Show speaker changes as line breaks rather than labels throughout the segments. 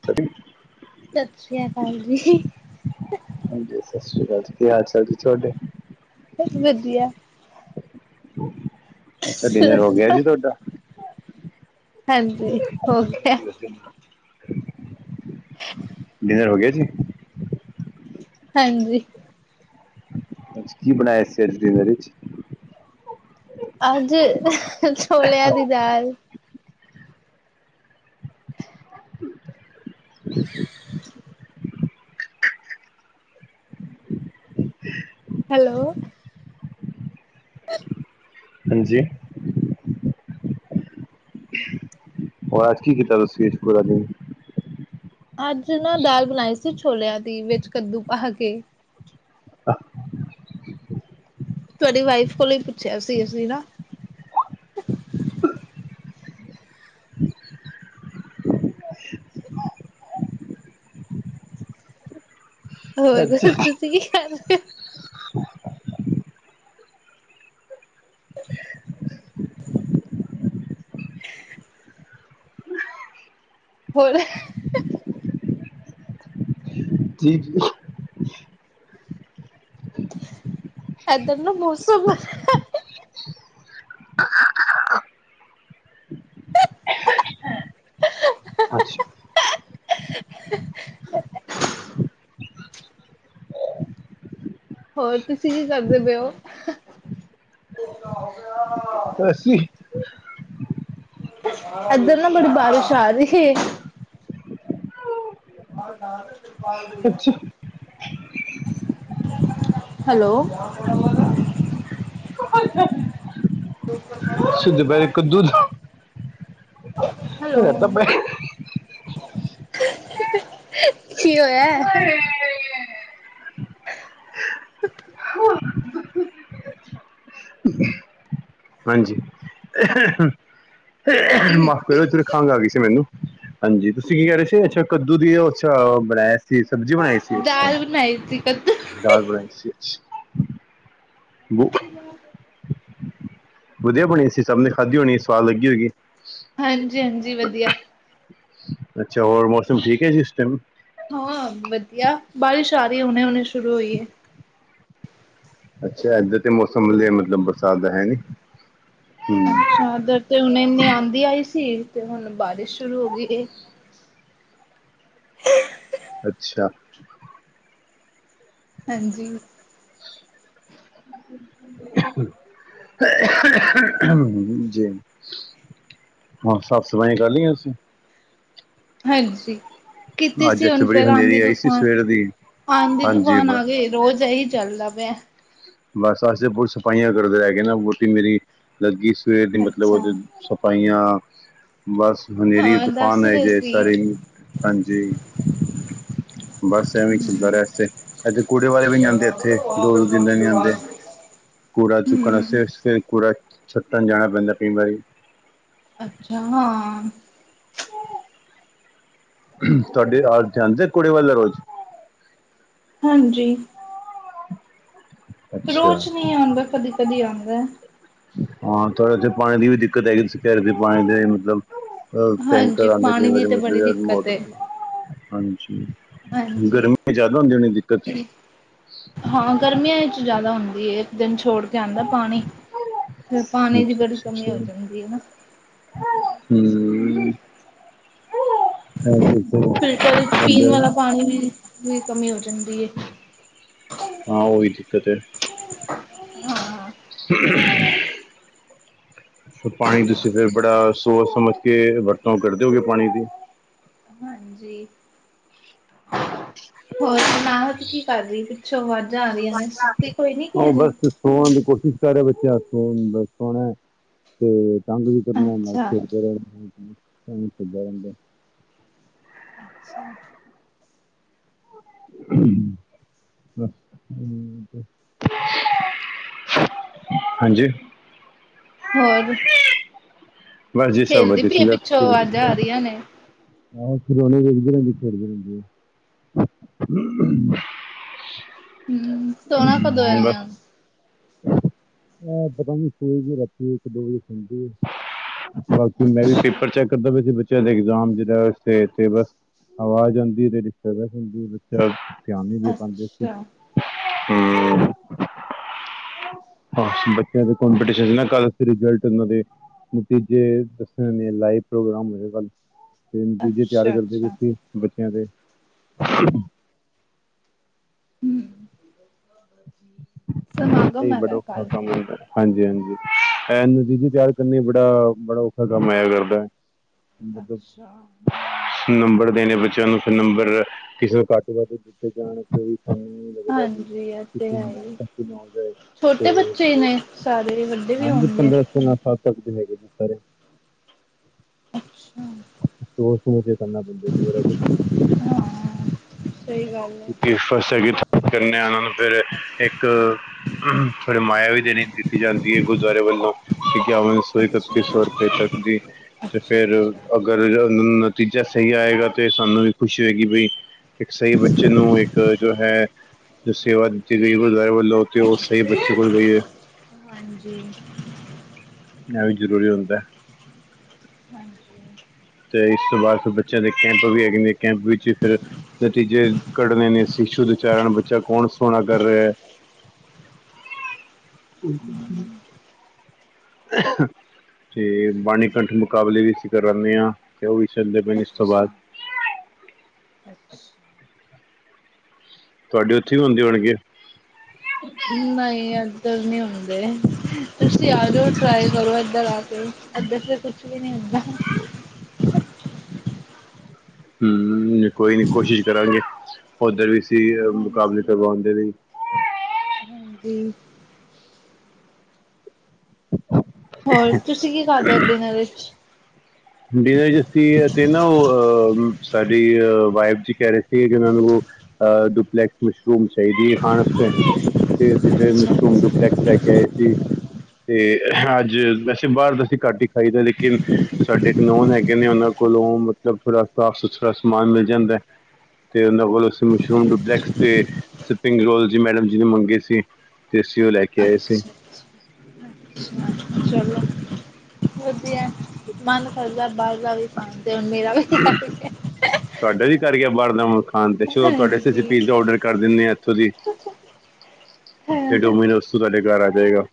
[inaudible]
ਸਤਿ ਸ੍ਰੀ ਅ ਅਕਾਲ ਜੀ।
ਹਾਂਜੀ, ਸਤਿ ਸ੍ਰੀ ਅਕਾਲ ਜੀ। ਕੀ ਹਾਲ ਚਾਲ ਜੀ ਤੁਆਡੇ?
ਬਸ ਵਧੀਆ।
ਅੱਛਾ
ਤੁਸੀਂ
ਡਿਨਰ ਹੋ ਗਿਆ
ਦੱਸੋ?
ਜੀ ਤੁਆਡਾ?
ਹਾਂਜੀ, ਹੋ ਗਿਆ।
ਡਿਨਰ ਹੋ ਗੇਆ ਜੀ?
ਹਾਂਜੀ।
ਅੱਛ ਕੀ ਬਨਾਏਆ ਫੇਰ ਡਿਨਰ ਚ?
ਅੱਜ, ਛੋਲੇਆਂ ਦੀ ਦਾਲ। [inaudible] ਹੈਲੋ [inaudible]
ਹਾਂਜੀ ਹੋਰ ਅੱਜ ਕੀ ਕੀਤਾ ਤੁਸੀ ਪੂਰਾ ਦਿਨ?
ਅੱਜ ਨਾ ਦਾਲ ਬਨਾਈ ਸੀ ਛੋਲੇਆਂ ਦੀ ਵਿੱਚ ਕੱਦੂ ਪਾ ਕੇ। ਤੁਆਡੀ ਵਾਈਫ ਕੋਲੋਂ ਈ ਪੁੱਛੇਆ ਸੀ ਅਸੀ ਨਾ। ਹੋਰ
ਅੱਛਾ
ਤੁਸੀ ਕੀ ਕਰ ਰੇ ੳ? ਹੋਰ
ਜੀ, ਜੀ।
ਏਦਰ ਨਾ ਮੌਸਮ ਬੜਾ
ਅੱਛਾ।
ਹੋਰ ਤੁਸੀ ਕੀ ਕਰਦੇ ਪਏ ੳ? [inaudible]
ਅਸੀ
ਏਧਰ ਨਾ ਬੜੀ ਬਾਰਿਸ਼ ਆ ਰੀ ਏ। [inaudible]
ਅੱਛਾ
ਹੈਲੋ
ਹ [unintelligible] ਅਸੀਂ ਤੇ ਬਣਾਇਆ ਕਦੂ [unintelligible]
ਹੈਲੋ।
ਰਾਇਤਾ ਪਾਇਆ
ਕੀ ਹੋਇਆ?
ਹਾਂਜੀ, ਮਾਫ਼ ਕਰੋ ਜੇ ਖਾਂਗ ਆ ਗਈ ਸੀ ਮੈਨੂੰ ਹਾਂ, ਜੀ ਤੁਸੀਂ ਕੀ ਕਹਿ ਰਹੇ ਸੀ ਅੱਛਾ ਕੱਦੂ ਦੀ ਉਹ ਅੱਛਾ ਬਣਾਆ ਕੀ ਸਬਜ਼ੀ ਬਣਾਈ ਸੀ ਅੱਛਾ,
ਦਾਲ ਬਣਾਈ ਸੀ ਕੱਦੂ
ਦਾਲ ਬਣਾਈ ਸੀ ਅੱਛ ਬੋ
ਹ [unintelligible]
ਵਧੀਆ ਬਣੀ ਸੀ, ਸਭ ਨੇ ਖਾਧੀ ਹੋਣੀ ਸਵਾਦ ਲੱਗੀ ਹੋਗੀ।
ਹਾਂਜੀ-ਹਾਂਜੀ, ਵਧੀਆ।
ਅੱਛਾ, ਹੋਰ ਮੌਸਮ ਠੀਕ ਹੈ ਇਸ ਟਾਈਮ।
ਹਾਂ, ਵਧੀਆ ਬਾਰਿਸ਼ ਆ ਰਹੀ ਹੁਣੇ-ਹੁਣੇ ਸ਼ੁਰੂ ਹੋਈ ਏ।
ਅੱਛਾ, ਇਧਰ ਤੇ ਮੌਸਮ ਮਤਲਬ ਬਰਸਾਤ ਦਾ ਹੈ ਨੀ,
ਅੱਛਾ, ਇਧਰ ਤੇ ਹੁਣੇ ਇਨੀ ਆਂਧੀ ਆਈ ਸੀ ਤੇ ਹੁਣ ਬਾਰਿਸ਼ ਸ਼ੁਰੂ ਹੋ ਗਈ।
ਅੱਛਾ।
ਹਾਂਜੀ। ਾਂ [unintelligible]
ਜੀ ਹੋਰ ਸਾਫ਼-ਸਫਾਈਆਂ ਕਰ ਲਈਆਂ ਸੀਂ।
ਹਾਂਜੀ, ਕੀਤੀ
ਅੱਜ
ਸੀ
ਇੱਥੇ
ਹੁਣ
ਬੜੀ
ਫਿਰ
ਹਨੇਰੀ ਆਈ ਸੀ
ਆਂਦੀ-ਤੂਫਾਨ,
ਸਵੇਰ ਦੀ
ਆਂਦੀ
ਹਾਂਜੀ
ਤੂਫਾਨ
ਬ-
ਆ ਗਏ। ਰੋਜ਼ ਦਾ ਇਹੀ ਚੱਲਦਾ ਪਾਇਆ।
ਬਸ, ਅਸੀਂ ਪੁਰੀ ਸਫਾਈਆਂ ਕਰਦੇ ਰਹਿ ਗਏ ਨਾ ਵੋਟੀ ਮੇਰੀ ਲੱਗੀ ਸਵੇਰ ਦੀ, ਮਤਲਬ
ਅੱਛਾ
ਉਹਦੇ ਸਵਾਇਆ ਬਸ। ਹਨੇਰੀ,
ਹਾਂ
ਤੂਫਾਨ
ਦੱਸ
ਆਏ
ਰਹੇ
ਜੇ
ਸੀ।
ਸਾਰੇ, ਹਾਂਜੀ। ਬੱਸ, ਐਵੇਂ ਚੱਲਦਾ ਰਿਹਾ ਤੇ ਇੱਥੇ ਕੂੜੇ ਵਾਲੇ ਵੀ ਨੀ
ਹੂੰ
ਆਦੇ ਇੱਥੇ ਦੋ-ਦੋ ਦਿਨ ਦਾ ਨੀ ਆਂਦੇ। ਕੂੜਾ ਚੁੱਕਣ ਵਾਸਤੇ, ਫਿਰ ਕੂੜਾ ਸੱਟਣ ਜਾਣਾ ਪੈਂਦਾ ਕਈ ਵਾਰੀ।
ਅੱਛਾ ਹਾਂ।
ਤੁਹਾਡੇ ਰਾਹ ਚ ਜਾਂਦਾ ਕੁੜੇ ਵਾਲੇ ਰੋਜ?
ਹਾਂਜੀ।
। [inaudible]
ਰੋਚ ਨਹੀਂ ਆਉਂਦਾ, ਕਦੀ-ਕਦੀ ਆਉਂਦਾ।
ਹਾਂ, ਤੁਹਾਡੇ ਉੱਥੇ ਪਾਣੀ ਦੀ ਵੀ ਦਿੱਕਤ ਹੈਗੀ। ਘਰ ਪਾਣੀ ਦੇ ਮਤਲਬ
ਹਾਂਜੀ
ਟੈਂਕਰ ਆਉਂਦੇ ਕਈ
ਪਾਣੀ ਦੀ
ਵਾਰੀ
ਤੇ
ਮਤਲਬ
ਬੜੀ
ਯਾਰ
ਦਿੱਕਤ
ਮੋਟਰ
ਏ।
ਤੋਂ ਹਾਂਜੀ।
ਹਾਂਜੀ
ਗਰਮੀ ਚ ਜ਼ਿਆਦਾ ਹੁੰਦੀ ਹੋਣੀ ਦਿੱਕਤ?
ਹਾਂ, ਗਰਮੀਆਂ ਵਿੱਚ ਜ਼ਿਆਦਾ ਹੁੰਦੀ ਹੈ।, ਇੱਕ ਦਿਨ ਛੋੜ ਤੇ ਆਂਦਾ ਪਾਣੀ, ਫਿਰ ਪਾਣੀ ਦੀ ਬੜੀ ਕਮੀ ਹੋ ਜਾਂਦੀ ਹੈਨਾ।
ਹੂੰ।
ਫਿਲਟਰ ਵਿੱਚ ਪੀਣ ਵਾਲਾ ਪਾਣੀ ਵੀ ਕਮੀ ਹੋ ਜਾਂਦੀ ਹੈ।
ਹਾਂ, ਉਹੀ ਦਿੱਕਤ ਏ।
ਹਾਂ
। [unintelligible] ਪਾਣੀ ਤੁਸੀਂ ਫਿਰ ਬੜਾ ਸੋਚ ਸਮਝ ਕੇ ਵਰਤੋਂ ਕਰਦੇ ਹੋਗੇ ਪਾਣੀ ਦੀ।
ਜੀ, ਹੋਰ ਸੁਣਾਓ, ਕੀ ਕਰ ਰਹੀ ਸੀ? ਪਿਛੋ ਆਵਾਜਾਂ ਆ ਰਹੀਆਂ ਨੇ, ਸੁੱਤੀ ਕੋਈ ਨੀ ਕੀ ਅਜੇ।
ਔਰ ਕੋਸ਼ਿਸ਼ ਕਰ ਰਿਹਾ ਬੱਚਿਆਂ ਸੋਨ, ਸੋਣਾ ਤੇ ਤੰਗ ਵੀ ਕਰਨਾ, ਨਾਲ
ਅੱਛਾ
ਦੇ ਖੇਢਦੇ ਏਵੇ ਹੀ ਫਿਰਦਾ ਰਹਿੰਦਾ।
ਅੱਛਾ।
[inaudible] ਹਾਂਜੀ?
ਹੋਰ?
ਬਸ ਜੀ ਸਭ
ਖੇਲਦੀ ਪਈ ਏ,
ਵਧੀਆ
ਪਿੱਛੋਂ
[unintelligible]
[unintelligible]
ਆਹੋ ਖਿਲੌਣੇ ਵੇਖਦੇ ਰਹਿੰਦੇ ਖੇਡਦੇ ਰਹਿੰਦੇ। [inaudible] [unintelligible]
ਹਮ ਸੋਣਾ ਕਦੋਂ ਇਹਨੇ ਹੁਣ
ਆ ਪਤਾ ਨੀ ਸਵੇਰ ਦੀ ਰਾਤੀ ਇੱਕ ਦੋ ਵਜੇ ਸੌਂਦੀ ਹੇ। ਬਾਕੀ ਮੈਂ ਵੀ
ਅੱਛਾ
ਪੇਪਰ ਚੈੱਕ ਕਰਦਾ ਪੇਆ ਸੀ ਬੱਚਿਆਂ ਦੇ ਇਗਜ਼ਾਮ ਦੇ ਤੇ ਬਸ ਆਵਾਜ਼ ਆਉਂਦੀ ਤੇ ਡਿਸਟਰਬਨਸ ਹੁੰਦੀ ਬੱਚਾ ਧਿਆਨ ਨੀ ਦੇ ਪਾਉਂਦੇ ਸੀ
ਅੱਛਾ
ਹਮ। ਬੱਚਿਆਂ ਦੇ ਕੰਪਟੀਸ਼ਨ [unintelligible] [unintelligible] ਦੱਸਣ ਦੇ ਲਾਈਵ ਪ੍ਰੋਗਰਾਮ ਹੋਏਗਾ ਕਲ। ਤੇ ਨਤੀਜੇ ਤਿਆਰ
ਅੱਛਾ
ਕਰਦੇ ਪਏ
ਅੱਛਾ
ਸੀ ਬੱਚਿਆਂ ਦੇ।
ਹਮ ਸਮਾਗਮ
ਇਹ ਬੜਾ
ਹੈਗਾ
ਔਖਾ
ਕੱਲ
ਕੰਮ ਹੁੰਦਾ। ਹਾਂਜੀ ਹਾਂਜੀ ਇਹ ਨਤੀਜੇ ਤਿਆਰ ਕਰਨੇ ਬੜਾ ਬੜਾ ਔਖਾ ਕੰਮ ਹੋਇਆ ਕਰਦਾ। ਮਤਲਬ?
ਅੱਛਾ
ਨੰਬਰ ਦੇਣੇ ਬੱਚਿਆਂ ਨੂੰ ਫੇਰ ਨੰਬਰ ਕਿਸੇ ਨੂੰ ਘੱਟ ਵੱਧ ਦਿੱਤੇ ਜਾਣ ਕੋਈ ਕੰਮ
ਹਾਂਜੀ ਹੈ ਹੀ
ਹੋ ਜਾਏ
ਛੋਟੇ
ਤੇ
ਬੱਚੇ ਨੇ ਸਾਰੇ ਵੱਡੇ ਵੀ
ਹਾਂਜੀ
ਹੋਣਗੇ?
[unintelligible] ਜੀ ਸਾਰੇ।
ਅੱਛਾ।
ਸੋਚ ਸਮਝ ਕੇ ਕਰਨਾ ਪੈਂਦਾ ਜੀ ਬੜਾ ਕੁਛ।
ਹਾਂ ਸਹੀ ਗੱਲ ਹੈ
ਫਸਟ ਸੈਕੰਡ ਥਰਡ [unintelligible] ਉਹਨਾਂ ਨੂੰ ਫੇਰ ਇੱਕ ਫੇਰ ਮਾਇਆ ਵੀ ਦੇਣੀ ਦਿੱਤੀ ਜਾਂਦੀ ਹੈ ਗੁਰਦੁਆਰੇ ਵੱਲੋਂ ਇਕਯਾਵਨ ਸੌ ਇਕੱਤੀ
ਅੱਛਾ
ਸੌ ਰੁਪਏ ਤੱਕ ਦੀ ਤੇ
ਅੱਛਾ
ਫੇਰ
ਅੱਛਾ
ਅਗਰ ਨਤੀਜਾ ਸਹੀ ਆਏਗਾ ਤੇ ਸਾਨੂੰ ਵੀ ਖੁਸ਼ੀ ਹੋਏਗੀ ਬਈ ਇੱਕ ਸਹੀ ਬੱਚੇ ਨੂੰ ਇੱਕ ਜੋ ਹੈ ਜੋ ਸੇਵਾ ਦਿੱਤੀ ਗਈ ਗੁਰਦੁਆਰੇ ਵੱਲੋਂ ਕੇ ਉਹ ਸਹੀ ਬੱਚੇ ਕੋਲ ਗਈ ਹੈ।
ਹਾਂਜੀ।
ਇਹ ਵੀ ਜ਼ਰੂਰੀ ਹੁੰਦਾ।
ਹਾਂਜੀ।
ਤੇ ਇਸ ਤੋਂ ਬਾਅਦ ਫੇਰ ਬੱਚਿਆਂ ਦੇ ਕੈਂਪ ਵੀ ਹੈਗੇ ਨੇ ਕੈਂਪ ਵਿੱਚ ਫੇਰ ਨਤੀਜੇ ਕੱਢਣੇ ਨੇ ਸ਼ੀਸ਼ੂ ਦੇ ਚਾਰਨ ਬੱਚਾ ਕੌਣ ਸੋਹਣਾ ਕਰ ਰਿਹਾ ਹੈ।
[inaudible]
[unintelligible] ਤੇ ਬਾਣੀ ਕੰਠ ਮੁਕਾਬਲੇ ਵੀ ਅਸੀਂ ਕਰਾਉਨੇ ਆ। ਕਿ ਓੁਹਵੀ [unintelligible] ਇਸ ਤੋਂ ਬਾਦ
ਅੱਛਾ ਅੱਛਾ।
ਤੁਹਾਡੇ ਉੱਥੇ ਵੀ ਹੁੰਦੇ ਹੋਣਗੇ?
ਨਹੀਂ ਇਧਰ ਨਹੀਂ ਹੁੰਦੇ ਤੁਸੀਂ ਆ ਜਾਓ ਟਰਾਏ ਕਰੋ ਇਧਰ ਆ ਕੇ। ਇੱਧਰ ਤੇ ਕੁਛ ਵੀ ਨੀ ਹੁੰਦਾ।
ਹਮ, ਨੀ ਕੋਈ ਨੀ ਕੋਸ਼ਿਸ਼ ਕਰਾਂਗੇ, ਉੱਧਰ ਵੀ ਅਸੀ ਅ ਮੁਕਾਬਲੇ
ਹਾਂਜੀ
ਕਰਵਾਉਣ ਦੇ ਲਈ।
ਹਾਂਜੀ। ਹੋਰ, ਤੁਸੀਂ ਕੀ ਖਾਦਾ ਡਿਨਰ ਵਿੱਚ?
ਡਿਨਰ 'ਚ ਅਸੀ ਅਤੇ ਨਾ ਉਹ, ਅਹ ਸਾਡੀ ਵਾਈਫ ਜੀ ਕਹਿ ਰਹੇ ਸੀਗੇ, ਕਿ ਮੈਂ ਉਹਨਾਂ ਨੂੰ ਉਹ ਅ ਡੁਪਲੇੈਕਸ ਮਸ਼ਰੂਮ ਚਾਹੀਦੀ ਏ, ਖਾਣ ਆਸਤੇ। ਫੇਰ ਅਸੀਂ ਫਿਰ, ਮਸ਼ਰੂਮ
ਅੱਛਾ
ਡੂਪਲੈਕਸ ਲੈ ਕੇ ਆਏ ਸੀ। ਤੇ ਅੱਜ, ਵੈਸੇ ਬਾਹਰ ਤਾਂ ਅਸੀਂ ਘੱਟ ਹੀ ਖਾਈ ਦਾ, ਲੇਕਿਨ ਸਾਡੇ ਨੋਨ ਹੈਗੇ ਨੇ ਉਹਨਾਂ ਕੋਲੋਂ, ਮਤਲਬ ਥੋੜ੍ਹਾ ਸਾਫ-ਸੁਥਰਾ ਸਮਾਨ ਮਿਲ ਜਾਂਦਾ ਐ। ਤੇ ਉਹਨਾਂ ਕੋਲੋਂ ਅਸੀਂ ਮਸ਼ਰੂਮ ਡੁਪਲੈਕਸ ਤੇ, ਸਪਿੰਗ ਰੋਲ ਜ ਮੈਡਮ ਜੀ ਨੇ ਮੰਗੇ ਸੀ। ਤੇ ਅਸੀਂ, ਉਹ ਲੈ ਕੇ
ਅੱਛਾ
ਆਏ ਸੀ।
ਅੱਛਾ ਚਲੋ
ਹ।
ਵਧੀਆ। ਮਨ ਕਰਦਾ ਬਾਹਰ ਦਾ ਵੀ ਖਾਂਣਦੇ, ਹੁਣ ਮੇਰਾ ਵੀ ਕਰ ਗਿਆ।
ਤੁਹਾਡਾ ਵੀ ਕਰ ਗਿਆ, ਬਾਹਰ ਦਾ ਹੁਣ ਖਾਣ ਤੇ, ਚਲੋ ਤੁਹਾਡੇ ਆਸਤੇ ਅਸੀਂ
ਹਾਂਜੀ।
ਪੀਜ਼ਾ ਔਡਰ ਕਰ ਦਿੰਦੇ ਹਾਂ, ਇੱਥੋਂ ਦੀ।
ਹ।
ਇਹ ਡੋਮੀਨੋਸ ਤੋਂ, ਤੁਹਾਡੇ ਘਰ ਆ ਜਾਏਗਾ।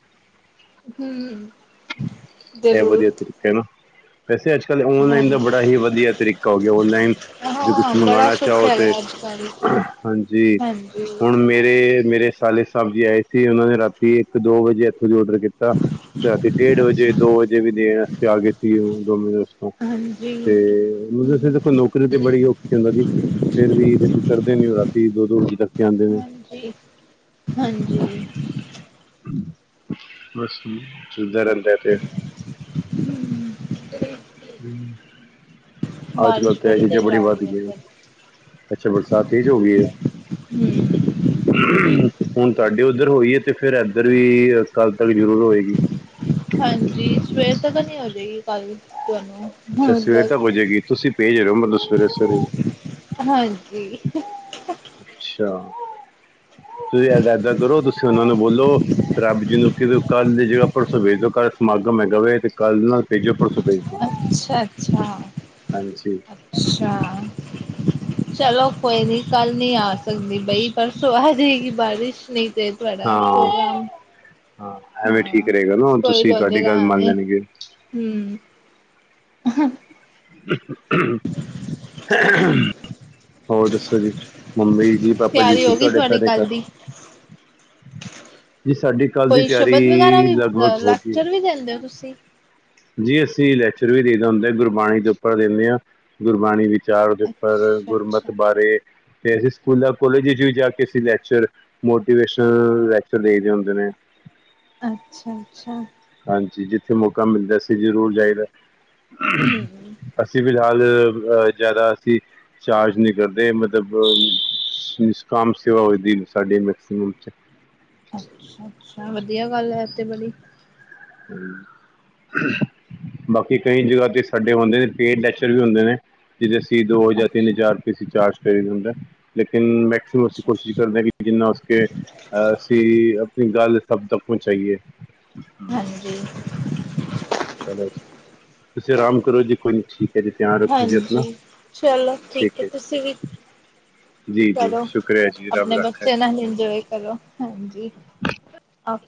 ਹਮ।
ਇਹ ਵਧੀਆ ਤਰੀਕਾ ਹੈ ਨਾ, ਵੈਸੇ ਅੱਜ ਕੱਲ੍ਹ ਔਨਲਾਈਨ ਦਾ
ਹਾਂਜੀ
ਬੜਾ ਹੀ ਵਧੀਆ ਤਰੀਕਾ ਹੋ ਗਿਆ। ਔਨਲਾਈਨ ਜੇ ਕੁਛ
ਹਾਂ ਬੜਾ
ਮੰਗਵਾਉਣਾ
ਸੁੱਖ
ਚਾਹੋ ਤੇ,
ਹੈਗਾ ਅੱਜ ਕੱਲ
ਹਾਂਜੀ,
ਹਾਂਜੀ
ਹੁਣ ਮੇਰੇ-ਮੇਰੇ ਸਾਲੇ ਸਾਬ ਜੀ ਆਏ ਸੀ, ਉਹਨਾਂ ਨੇ ਰਾਤੀ ਇੱਕ ਦੋ ਵਜੇ, ਇੱਥੋਂ ਦੀ ਔਡਰ ਕੀਤਾ ਤੇ ਰਾਤੀ ਡੇਢ ਵਜੇ ਦੋ
ਅੱਛਾ
ਵਜੇ ਵੀ ਦੇਣ ਵਾਸਤੇ ਆ ਗਏ ਸੀ ਉਹ, ਡੋਮੀਨੋਸ ਤੋਂ।
ਹਾਂਜੀ।
ਤੇ, ਵੈਸੇ
ਹੂੰ
ਦੇਖੋ ਨੌਕਰੀ ਤੇ ਬੜੀ ਔਖੀ ੳਨਾਂ ਦੀ। ਫੇਰ ਵੀ ਦੇਖੋ ਕਰਦੇ ਨੇ ਉਹ ਰਾਤੀ, ਦੋ-ਦੋ ਵਜੇ ਤੱਕ ਕੇ ਆਂਦੇ ਨੇ।
ਜੀ। ਹਾਂਜੀ।
ਬਸ ਜੀ, ਚਲਦਾ ਰਹਿੰਦਾ ਏ ਤੇ
ਹ-
ਹਮ। ਆਜ ਕੱਲ ਤਾਂ ਇਹ ਚੀਜ਼
ਤੇਜ਼
ਬੜੀ
ਆ
ਵਧ
ਰਹੀ ਹੈ
ਗੀ ਏ,
ਇੱਧਰ
ਅੱਛਾ ਬਰਸਾਤ ਤੇਜ ਹੋ ਗਈ ਏ?
ਹ-
ਹੁਣ ਤੁਹਾਡੇ ਉੱਧਰ ਹੋਈ ਹੈ ਤੇ ਫਿਰ ਏਧਰ ਵੀ, ਕੱਲ ਤੱਕ ਜ਼ਰੂਰ ਹੋਏਗੀ।
ਹਾਂਜੀ, ਸਵੇਰ ਤੱਕਨ ਈ ਹੋ ਜੇਗੀ ਬਾਰਿਸ ਤੁਹਾਨੂੰ
ਅੱਛਾ, ਸਵੇਰੇ
ਉਧਰ
ਤੱਕ ਹੋ ਜੇ ਗੀ, ਤੁਸੀਂ ਭੇਜ ਰਹੇ ਹੋ ਮਤਲਬ ਸਵੇਰੇ- ਸਵੇਰੇ।
ਹਾਂਜੀ।
ਅੱਛਾ, ਤੁਸੀਂ ਏਦ ਇਦਾਂ ਕਰੋ, ਤੁਸੀਂ ਉਹਨਾਂ ਨੂੰ ਬੋਲੋ, ਰੱਬ ਜੀ ਨੂੰ ਕਿ ਕੱਲ੍ਹ ਦੇ ਜਗਾ ਪਰਸੋਂ ਭੇਜ ਦਿਊ, ਕੱਲ੍ਹ ਸਮਾਗਮ ਹੈਗਾ ਵੇ, ਅਤੇ ਕੱਲ੍ਹ ਨਾ ਭੇਜੋ, ਪਰਸੋਂ ਭੇਜ ਦਿਓ।
ਅੱਛਾ, ਅੱਛਾ।
ਹਾਂਜੀ।
ਅੱਛਾ, ਚਲੋ ਕੋਈ ਨੀ, ਕੱਲ ਨੀ ਆ ਸਕਦੀ ਬਈ, ਪਰਸੋਂ ਆ ਜਾਏਗੀ ਬਾਰਿਸ਼, ਨਹੀਂ ਤੇ ਤੁਹਾਡਾ
ਹਾਂ
ਪ੍ਰੋਗਰਾਮ
ਹਾਂ, ਐਵੇਂ ਠੀਕ
ਹਾਂ
ਰਹੇਗਾ ਨਾ ਹੁਣ, ਤੁਸੀਂ-ਤੁਹਾਡੀ ਗੱਲ ਮੰਨ ਲੈਣ ਗੇ।
ਹਮ।
ਹੋਰ ਦੱਸੋ ਜੀ, ਮੰੰਮੀ ਜੀ, ਪਾਪਾ ਜੀ,
ਤਿਆਰੀ ਹੋ
ਠੀਕ
ਗਈ
ਤੁਹਾਡੇ
ਤੁਹਾਡੀ
ਸਾਰੇ ਘਰ?
ਕੱਲ ਦੀ
ਜੀ ਸਾਡੀ ਕੱਲ ਦੀ
ਕੋਈ ਸ਼ਬਦ ਵਗੈਰਾ
ਤਿਆਰੀ
ਵੀ
ਲਗਭਗ ਹੋ ਗਈ।
ਲੈਕਚਰ ਵੀ ਦਿੰਦੇ ਹੋ ਤੁਸੀਂ
ਜੀ ਅਸੀਂ ਲੈਕਚਰ ਵੀ ਦੇਇ ਦਾ ਹੁੰਦਾ ਗੁਰਬਾਣੀ ਦੇ ਉੱਪਰ ਦੇਣੇ ਆਂ ਗੁਰਬਾਣੀ ਵਿੱਚ ਚਾਰਜ ਉਪਰ
ਅੱਛਾ ਅੱਛਾ
ਗੁਰਮਤ ਬਾਰੇ, ਤੇ ਅਸੀਂ ਸਕੂਲਾਂ ਕੋਲਜਾ ਚ ਵਿਚ ਜਾ ਕੇ ਅਸੀਂ ਲੈਕਚਰ ਮੋਟੀਵੇਸ਼ਨਲ ਲੈਕਚਰ ਦੇਈ ਜਾਂਦੇ ਨੇ।
ਅੱਛਾ-ਅੱਛਾ।
ਹਾਂਜੀ ਜਿੱਥੇ ਮੌਕਾ ਮਿਲਦੈ ਅਸੀ ਜ਼ਰੂਰ ਜਾਈਦਾ।
ਹੂੰ
ਅਸੀਂ ਫਿਲਹਾਲ ਅ ਜਆਦਾ ਅਸੀਂ ਚਾਰਜ ਨੀ ਕਰਦੇ ਮਤਲਬ ਨਿਸ਼ਕਾਮ ਸੇਵਾ ਹੋ ਜਂਦੀ ਸਾਡੇ ਮੈਕਸੀਮਮ ਚ।
ਅੱਛਾ-ਅੱਛਾ
ਹਾਂਜੀ
ਵਧੀਆ ਗੱਲੈ ਐ ਤੇ ਬੜੀ।
ਬਾਕੀ ਕਈ ਜਗਾ ਤੇ ਸਾਡੇ ਹੁੰਦੇ ਨੇ, ਪੇਡ ਲੈਚਰ ਵੀ ਹੁੰਦੇ ਨੇ। ਜਿਦੇ ਅਸੀ ਦੋ ਜਾਂ ਤਿੰਨ
ਅੱਛਾ
ਹਜ਼ਾਰ ਰੁਪੇ ਅਸੀ ਚਾਰਜ ਕਰੀ ਦਾ ਹੁੰਦਾ। ਲੇਕਿਨ ਮੈਕਸੀਮਮ ਅਸੀਂ
ਅੱਛਾ
ਕੋਸ਼ਿਸ਼
ਅੱਛਾ
ਕਰਦੇ ਆਂ ਕਿ ਜਿੰਨਾ ਹੋਸਕੇ ਅਸੀਂ ਆਪਣੀ ਗਾਲ ਸਬ ਤੱਕ ਪਹੁਚਾਇਐ।
ਹਾਂਜੀ।
ਚਲੋ ਜੀ। ਤੁਸੀਂ ਆਰਾਮ ਕਰੋ ਜੀ ਕੋਈ ਨੀ ਠੀਕ ਹੈ ਜੀ, ਧਿਆਨ ਰੱਖੋ ਜੀ ਆਪਣਾ,
ਹਾਂਜੀ ਚਲੋ
ਠੀਕ ਹੈ
ਤੁਸੀਂ ਵੀ
ਜੀ। ਜੀ-ਜੀ
ਕਰੋ
ਸ਼ੁਕਰੀਆ ਜੀ ਰਬ ਰਾੱਖਾ ਜੀ।
ਹੈਲੋ ਹਾਂਜੀ ਓਕੇ